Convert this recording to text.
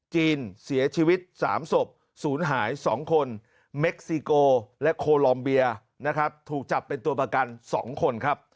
จีนเสียชีวิต๓ศพสูญหาย๒คน